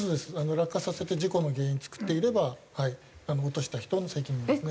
落下させて事故の原因作っていれば落とした人の責任ですね。